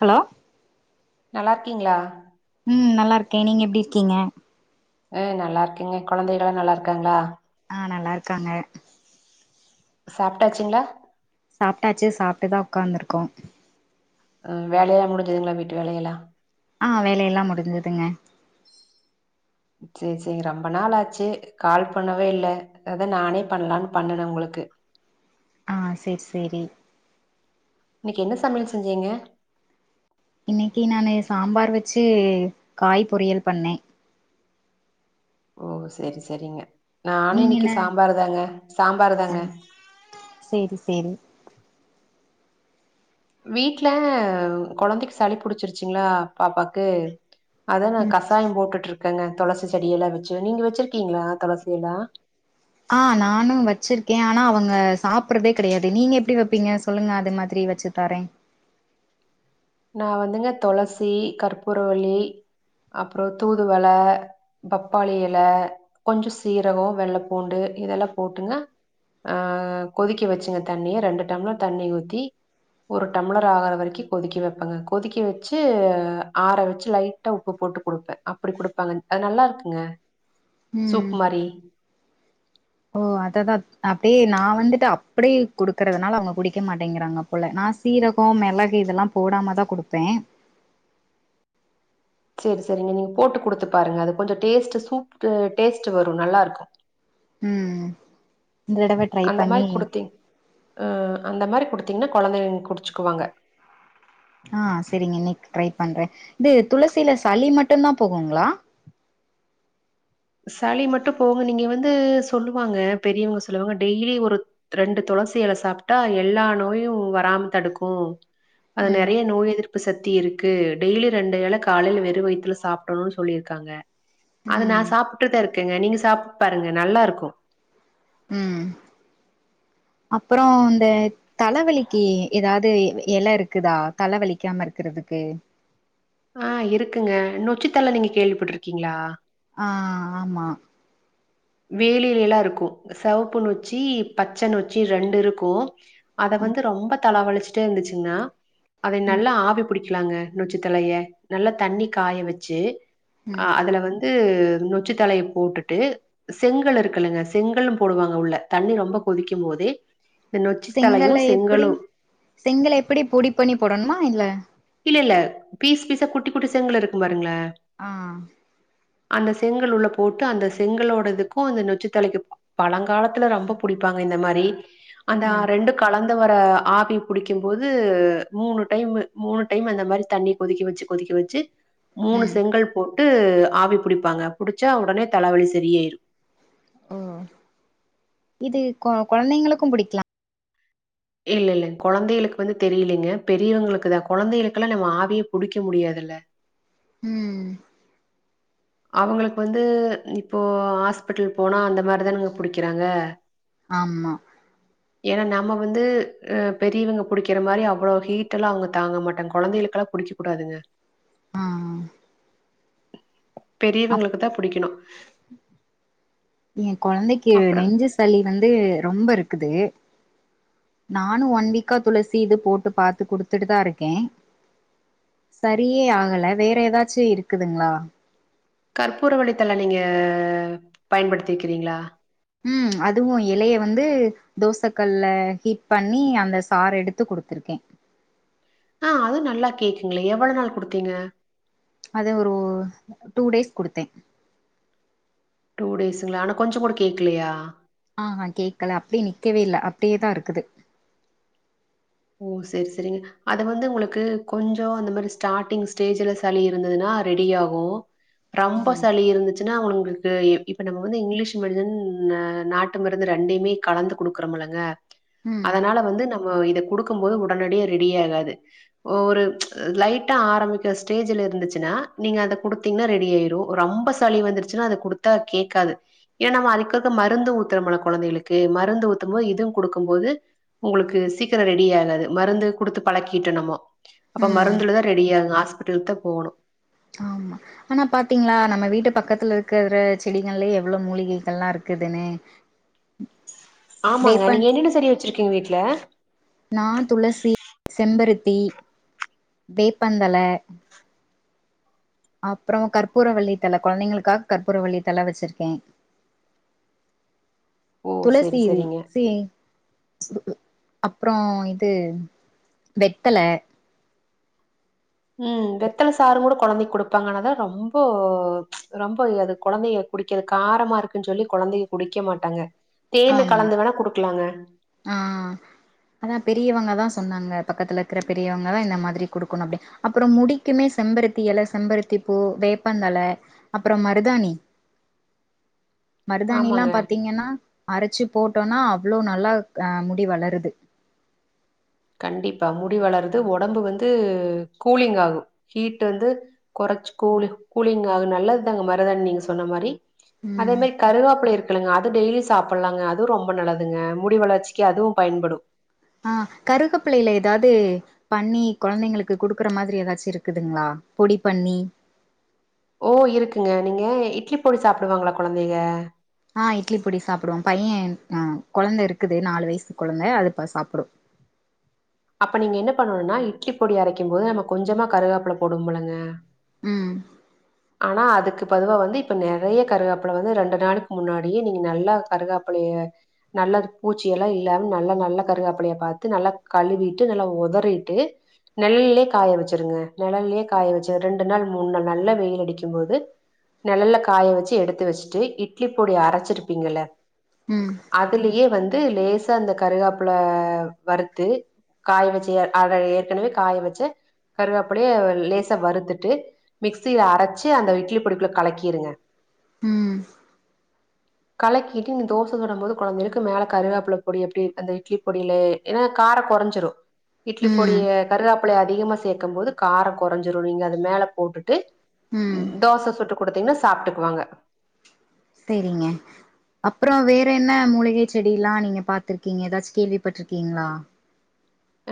Hello நல்லா இருக்கீங்ளா ம் நல்லா இருக்கே நீங்க எப்டி இருக்கீங்க ஆ நல்லா இருக்கேங்க கொழந்தைகளா நல்லா இருக்காங்ளா ஆ நல்லா இருக்காங்க சாப்ட்டாச்சுங்ளா சாப்ட்டாச்சு சாப்ட்டு தா ஒக்காந்துருக்கோ ஆ வேலயலா முடிஞ்சதுங்ளா வீட்டு வேலயெல்லா ஆ வேலை எல்லா முடிஞ்சுதுங்க சேர் சேர் ரொம்ப நாள் ஆச்சு கால் பண்ணவே இல்ல அதா நானே பண்லான்னு பண்ணுணே உங்ளுக்கு ஆ சேர் சேரி இன்னைக் என்ன சமையல் செஞ்சீங்க இன்னைக்கி நானு சாம்பார் வச்சு காய் பொரியல் பண்ணே ஓ செரி செரிங்க நானு நீங்க இன்னைக்கி என்ன சாம்பாரு தாங்க சாம்பாரு தாங்க சேர் செரி வீட்ல கொழந்தைக்கு சளி புடுச்சிருச்சிங்ளா பாப்பாக்கு அதா நா ம் கசாயோ போட்டுட் ருக்கேங்க தொளசி செடி எல்லா வச்சு நீங்க வச்சிருக்கீங்ளா தொளசி எல்லா ஆ நானு வச்சிருக்கே ஆனா அவங்க சாப்புறதே கெடயாது நீங்க எப்டி வப்பீங்க சொல்லுங்க அது மாதிரி வச்சு தாரே நா வந்துங்க தொளசி கற்பூர வள்ளி அப்றோ தூதுவள பப்பாளி எல கொஞ்சோ சீரகோ வெள்ள பூண்டு இதெல்லா போட்டுங்க ஆ கொதிக்க வச்சுங்க தண்ணிய ரெண்டு டம்ளர் தண்ணி ஊத்தி ஒரு டம்ளர் ஆகுற வரைக்கு கொதிக்க வப் பாங்க கொதிக்க வச்சு ஆற வச்சு லைட்டா உப்பு போட்டு குடுப்பே அப்டி குடுப்பாங்க அது நல்லா இருக்குங்க ம் சூப் மாறி ஓ அத தா அப்டியே நா வந்துட்டு அப்டியே குடுக்கறதுனால அவுங்க குடிக்க மாட்டேங்கிறாங்க போல நா சீரகோ மெளகு இதெல்லா போடாம தா குடுப்பே செரி செரிங்க நீங்க போட்டு குடுத்து பாருங்க அது கொஞ்சோ டேஸ்ட்டு சூப் டேஸ்ட் வரும் நல்லா இருக்கு ம் இந்த தடவ ட்ரை அந்த பண்ணி மாரி குடுத்தீங் அ அந்த மாரி குடுத்தீங்கன்னா கொழந்தைங்க குடிச்சுக்குவாங்க ஆ சேரிங்க இன்னைக் ட்ரை பண்றே இது துளசியில சளி மட்டும்தா போகுங்களா சளி மட்டும் போகு நீங்க வந்து சொல்லுவாங்க பெரியவங்க சொல்லுவாங்க டெய்லி ஒரு ரெண்டு துளசியில சாப்ட்டா எல்லா நோயும் வராம தடுக்கும் அது ம் நெறைய நோய் எதிர் ப்பு சத்தி இருக்கு டெய்லி ரெண்டு ஏல காலையில வெறும் வயித்துல சாப்டணும்னு சொல்லியிருக்காங்க அத நா ம் சாப்ட்டுதா இருக்கேங்க நீங்க சாப்ட்டு பாருங்க நல்லா இருக்கூ உம் அப்றோ இந்த தலவலிக்கு ஏதாவது இலை இருக்குதா தல வலிக்காம இருக்கறதுக்கு ஆ இருக்குங்க நொச்சித்தல நீங்க கேள்விப்பட்டு இருக்கீங்களா ஆ ஆமா வேலில எல்லா இருக்கும் செவப்பு நொச்சி பச்சை நொச்சி ரெண்டு இருக்கும் அத ம் வந்து ரொம்ப தலவழிச்சுட்டே இருந்துச்சுங்ன்னா அத ம் நல்லா ஆவி பிடி க்கலாங்க நொச்சித்தலைய நல்லா தண்ணி காய வச்சு ம் அதுல வந்து ந்து நொச்சித்தலய போட்டுட்டு செங்கல் இருக்குல்லுங்க செங்கலும் போடுவாங்க உள்ள தண்ணி ரொம்ப கொதிக்கும் போதே செங்கல்ல எப்டி செங்கல் எப்டி பொடி பண்ணி போடணுமா இல்ல இல்ல இல்ல பீஸ் பீஸா குட்டி குட்டி செங்கல் இருக்கும் பாருங்க ஆ அந்த செங்கல் உள்ள போட்டு அந்த செங்கலோட க்கும் அந்த நொச்சித்தலைக்கு பழங்காலத்துல ரொம்ப பிடிப்பாங்க இந்த மாரி அந்த ம் ரெண்டு கலந்து வர ஆவி பிடிக்கும் போது மூணு டைம் மூணு டைம் அந்த மாரி தண்ணி கொதிக்க வச்சு கொதிக்க வச்சு மூணு ம் செங்கல் போட்டு ஆவி புடிப்பாங்க புடிச்சா உடனே தலவலி சரி ஆயிரூ ஓ இது குழந்தைங்களுக்கும் பிடிக்கலாம் இல்ல இல்ல கொழந்தைகளுக்கு வந்து தெரியலைங்க பெரியவங்களுக்கு தா கொழந்தைகளுக் கெல்லாம் நம்ம ஆவியே புடிக்க முடியாதுல்ல உம் அவுங்களுக்கு வந்து இப்போ ஹாஸ்பிட்டல் போனா அந்த மாரிதானங்க பிடிக்கிறாங்க ஆமா ஏன்னா நம்ம வந்து பெரியவங்க பிடிக்கிற மாரி அவ்வளோ ஹீட் எல்லா அவுங்க தாங்க மாட்டாங்க கொழந்தைகளுக்கெல்லாம் பிடிக்கும் கூடாதுங்க ஆ அப் பெரியவங்களுக்கு தா புடிக்கணும் எ கொழந்தைக்கு அப்புறம் நெஞ்சு சளி வந்து ரொம்ப இருக்குது நானும் ஒன் வீக்கா துளசி இது போட்டு பாத்து குடுத்துட்டுதா இருக்கே சரியே ஆகல வேற ஏதாச்சும் இருக்குதுங்களா கற்பூர வழித்தல நீங்க பயன்படுத்திக்கிறீங்களா உம் அதுவும் இலைய வந்து தோசை கல்ல ஹீட் பண்ணி அந்த சார் எடுத்து குடுத்துருக்கே ஆ அது நல்லா கேக்குங்ளே எவ்ளவு நாள் குடுத்தீங்க அது ஒரு டூ டேஸ் குடுத்தே டூ டேஸ்ங்ளா ஆனா கொஞ்சோ கூட கேக்கலயா ஆஹா கேக்கல அப்டி நிக்கவே இல்லைன அப்டியே தா இருக்குது ஓ சரி சரிங்க அத வந்து உங்களுக்கு கொஞ்சொ அந்த மாரி ஸ்டார்ட்டிங் ஸ்டேஜுல சளி இருந்ததுன்னா ரெடி ஆகு ரொம்ப ம் சளி இருந்துச்சு இது நா அவுங்களுக்கு இப்ப நம்ம வந்து இங்கிலீஷ் மெடிசன் ஆ நாட்டு மருந்து ரெண்டைமே கலந்து குடுக்றம்லங்க ம் அதனால வந்து நம்ம இத குடுக்கம்போது உடனடியா ரெடியாகாது ஒரு லைட்டா ஆரம்பிக்கிற ஸ்டேஜுல இருந்துச்சுன்னா நீங்க அத குடு த்தீங்னா ரெடி ஆய்ரு ரொம்ப சளி வந்துருச்சுன்னா அத குடுத்தா கேக்காது ஏனா நம்ம அதுக்காக மருந்து ஊத்துறோமுல கொழந்தைகளுக்கு மருந்து ஊத்தும் போது இதுவு குடுக்கும்போது உங்களுக்கு சீக்கிரோ ரெ டியாகாது மருந்து குடுத்து பழக்கிட்டு நம்மோ அப்ப ம் மருந்துல தா ரெடி ஆகு ஹாஸ்பிட்லுக் தா போனு ஆமா ஆனா பாத்தீங்ளா நம்ம வீட்டு பக்கத்துலருக்க வர செடிங்கலயே எவ்ளோ மூலிகைகள்லா இருக்குதுனு ஆமாங்க நீங்க என்னென்ன செடி வச்சிருக்கீங்க வீட்ல நா துளசி செம்பருத்தி வேப்பந்தழ அப்றோ கற்பூரவள்ளி தழ கொழந்தைகளுக்காக கற்பூரவள்ளி தழ வச்சிருக்கே ஓ துளசி செரி இது செரிங்க சி அப்றோ இது வெத்தல ம் வெத்தல சாரு கூடோ கொழந்தைக் குடுப்பாங்க ஆனா அதா ரொம்போ ரொம்ப அது கொழந்தைய குடிக்கற காரமா இருக்குன் சொல்லி கொழந்தைய குடிக்க மாட்டாங்க தேனு ஆமா. கலந்து வேணா குடுக்லாங்க அதா பெரியவங்கதா சொன்னாங்க பக்கத்துலருக்ற பெரியவங்கதா இந்த மாத்ரி குடுக்கனு அப்டி அப்றோ முடிக்கிமே செம்பருத்தி எல செம்பருத்தி பூ வேப்பந்தழ அப்றோ மருதாணி மருதாணில்லா ஆமாங்க பாத்தீங்கன்னா அரச்சு போட்டோனா அவ்ளோ நல்லாக் அ முடி வளருது கண்டிப்பா முடி வளருது ஒடம்பு வந்து கூலிங்காகு ஹீட் வந்து கொறச்சு கூலு கூலிங்காகு நல்லதாங்க மருதாணி நீங்க சொன்ன மாரி அதே ம் மாரி கருவாப்லரு க்குலங்க அது டெய்லி சாப்புலாங்க அதுவ் ரொம்ப நல்லதுங்க முடி வளர்ச்சிக்கி அதுவு பயன்படு ஆ கருகப்பிள்ளைல எதாது பண்ணி கொழந்தைங்களுக்கு குடுக்குற மாத்ரி எதாச்சு இருக்குதுங்ளா பொடி பண்ணி ஓ இருக்குங்க நீங்க இட்லி பொடி சாப்டுவாங்ளா கொழந்தைங்க ஆ இட்லி பொடி சாப்டுவா பையேன் ஆ கொழந்த இருக்குது நாலு வய்சு கொழந்த அது பா சாப்புடு அப்ப நீங்க என்ன பண்ணணுனா இட்லி பொடி அரைக்கம் போது நம்ம கொஞ்சமா கருகாப்ல போடுவம்லங்க ம் ஆனா அதுக்கு பதுவா வந்து இப்ப நெறைய கருகாப்ல வந்து ரெண்டு நாளுக் முன்னாடியே நீங்க நல்லா கருகாப்புலய நல்லா பூச்சியெல்லா இல்லாம நல்லா நல்ல கருகாப்புலயா பாத்து நல்லா கழுவிட்டு நல்லா ஒதறிட்டு நெழலிலே காய வச்சுருங்க நெழல்லயே காய வச்சு ரெண்டு நாள் மூன் நாள் நல்லா வெயில் அடிக்கும்போது நெழல்ல காய வச்சு எடுத்து வச்ட்டு இட்லி பொடி அரச்சிருப்பீங்ள ம் அதுலியே வந்து லேசா அந்த கருகாப்புல வறு த்து காய வச்ச எ அத ஏற்கனவே காய வச்ச கருகாப்புலய லேசா வறுத்துட்டு மிக்சில அரைச்சு அந்த இட்லி பொடிக்குள்ள கலக்கிருங்க ம் கலக்கிட்டு நீ தோச சுடும் போது கொழந்தைங்களுக்கு மேலே கருகாப்பள்ள பொடி அப்டி அந்த இட்லி பொடில ஏன்னா காரோ கொறஞ்சுரு இட்லி ம் பொடிய கருகாப்பழைய அதிகமா சேக்கம் போது காரோ குறைஞ்சுரு நீங்க அது மேல போட்டுட்டு ம் தோச சுட்டு கொடுத்தீங்கன்னா சாப்பிட்டுக்குவாங்க செரிங்க அப்ரோ வேற என்ன மூலிகை செடில்லா நீங்க பாத்துருக்கீங்க ஏதாச்சு கேள்விப்பட்டிருக்கீங்களா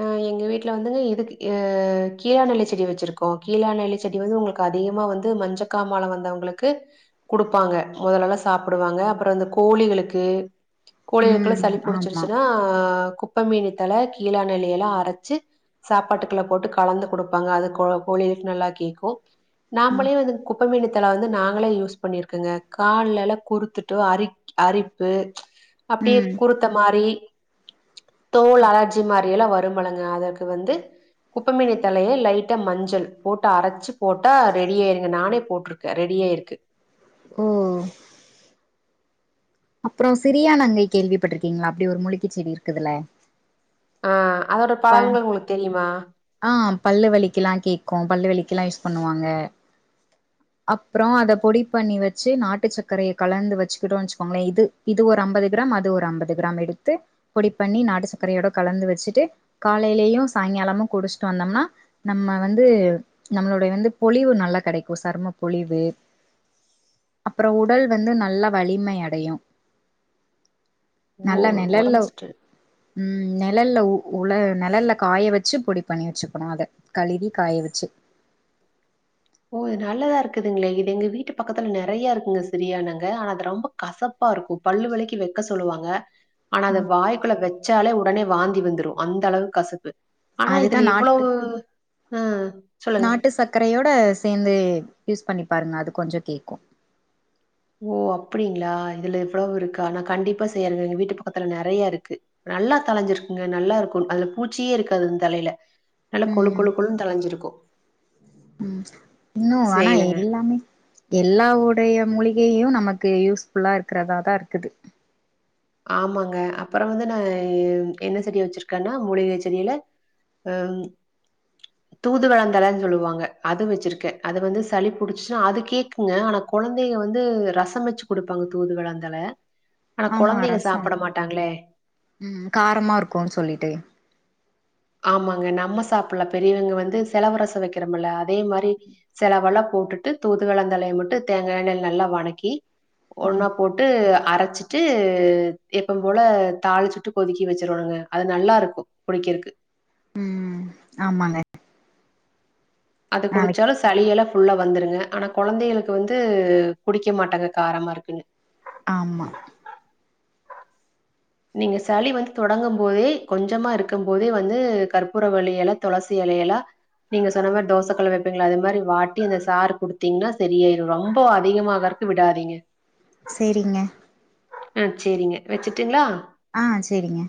ஆ எங்க வீட்டுல வந்துங்க இதுக்கு கீழா நெலை செடி வச்சிருக்கோ கீழா நெல்லி செடி வந்து உங்களுக்கு அதிகமா வந்து மஞ்சக்காமால வந்தவங்களுக்கு குடுப்பாங்க முதலல்ல சாப்டுவாங்க அப்ரோ இந்த கோழிகளுக்கு கோழியளுக்குள ம் சளி ஆமா புடிச்சிருச்சுன்னா அ குப்ப மேனி தல கீழா நெலிஇல்லா அரச்சு சாப்பாட்டுக்குள்ள போட்டு கலந்து கொடுப்பாங்க அது கோ கோழிகலுக்கு நல்லா கேக்கு நாமளே வந்து குப்பமேனி தல வந்து நாங்களே யூஸ் பண்ணிருக்கோங்க கால்லெல்லா குறுத்துட்டு அரிப் அரிப்பு அப்டியே ம் குறுத்த மாரி தோல் அலாஜ் ஜிரி மாரி எல்லா வரும்பழங்க அதற்கு வந்து குப்பமேனி தலய லைட்டா மஞ்சள் போட்டு அரச்சு போட்டா ரெடி ஆயிருங்க நானே போட்ருக்கே ரெடியாய்ருது ஓ அப்ரோ சிரியானங்கை கேள்விப்பட்டிருக்கீங்களா அப்டி ஒரு மூலிகை செடி இருக்குதுல்ல ஆ அதோட பலன்கள் உங்களுக்கு தெரியுமா ஆ பல்லு வலிக்ல்லா கேக்கு பல்லு வலிக்கெல்லா யூஸ் பண்ணுவாங்க [inaudible] அப்ரோ அத பொடி பண்ணி வச்சு நாட்டு சக்கரையை கலந்து வச்சுக்கிட்டோ வச்சுக்கோங்களே இது இது ஒரு அம்பது கிராம் அது ஒரு அம்பது கிராம் எடுத்து பொடி பண்ணி நாட்டு சக்கரையோட கலந்து வச்சுட்டு காலையிலயு சாயங்காலமு குடிச்சுட்டு வந்தோம்னா நம்ம வந்து நம்மளுடைய வந்து பொழிவு நல்லா கெடைக்கு சரும பொழிவு அப்புரோ உடல் வந்து நல்லா வலிமை அடையு ஓ நல்லா நெலல்ல உடம்பு சற்று ம் நெலல்ல உ உள நெழல்ல காய வச்சு பொடி பண்ணி வச்சுக்கணு அத கழுவி காய வச்சு இது நல்லதா இருக்குதுங்களே இது எங்க வீட்டு பக்கத்துல நெறையா இருக்குங்க சிரியானங்க ஆனா அது ரொம்ப கசப்பா இருக்கு பல்லுவலிக்கு வைக்க சொல்லுவாங்க ஆனா அத வாய்க்குள்ள வச்சாலே உடனே வாந்தி வந்துடு அந்த அளவுக்கு கசப்பு ஆனா அதுதா இதுல நாட்டு இவ்வளவு ம் நாட்டு சக்கரையோட சேர்ந்து யூஸ் பண்ணி பாருங்க அது கொஞ்சோ கேக்கு ஓ அப்டிங்களா இதுல இவ்வளவு இருக்கா ஆனா கண்டிப்பா செய்றங்க எங்க வீட்டு பக்கத்துல நெறைய இருக்கு நல்லா தலைஞ்சிருக்குங்க நல்லா இருக்கும் அதுல பூச்சியே இருக்காது இந்த தலையில நல்லா கொழு ம் கொழு கொழு னு தலைஞ்சிருக்கூ ம் இன்னு ஆனா எல்லாமே எல்லா உடைய மூலிகையையு நமக்கு யூஸ்ஃபுல்லா இருக்கிறதா தா இருக்குது ஆமாங்க அப்புரோ வந்து நா என்ன செடிய வச்சிருக்கேன்னா மூலிகை செடியில ஏம் தூது வளந்தலன்னு சொல்லுவாங்க அது வச்சிருக்கே அத வந்து சளி புடிச்சுன்னா அது கேக்குங்க ஆனா கொழந்தைங்க வந்து ரசம் வச்சு கொடுப்பாங்க தூதுவளந்தல ஆமா ரசம் ம் காரமா இருக்குன்னு சொல்லிட்டு ஆமாங்க நம்ம சாப்பல்லா பெரியவங்க வந்து செலவு ரசோ வெக்கறமல்ல அதே மாரி செலவெல்லா போட்டுட்டு தூதுவளந்தலய மட்டு தேங்கா எண்ணெய்ல நல்லா வனக்கி ம் ஒன்னா போ ட்டு அரச்சிட்டு எப்பம் போல தாளிச்சி விட்டு கொதிக்க வெச்சோருனுங்க அது நல்லாருக்கு குடிக்கறக்கு ம் ஆமாங்க அது ஆ வெக் குடிச்சாலு சளியெல்லா ஃபுல்லா வந்துருங்க ஆனா கொழந்தைங்களுக்கு வந்து குடிக்க மாட்டங்க காரமா இருக்குன்னு ஆமா நீங்க சளி வந்து தொடங்கும்போதே கொஞ்சமா இருக்கும்போதே வந்து கற்பூரவள்ளி எல துளசி எலயெல்லா நீங்க சொன்ன மாரி தோசைக்கல வெப்பீங்கல்ல அது மாரி வாட்டி இந்த சார் குடுத்தீங்னா சரியாயிரு ரொம்ப அதிகமாகற விடாதீங்க சேரிங்க ஆ சேரிங்க வெச்சுட்டுங்ளா ஆ சேரிங்க